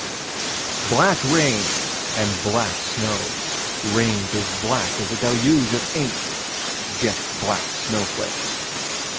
Black rains and black snows rains as black as a deluge of ink jet black snowflakes.